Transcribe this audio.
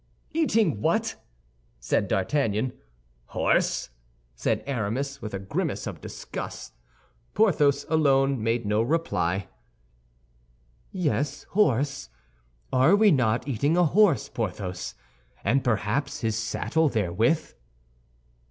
"Eating what?" said D'Artagnan. "Horse!" said Aramis, with a grimace of disgust. Porthos alone made no reply. "Yes, horse. Are we not eating a horse, Porthos? And perhaps his saddle, therewith."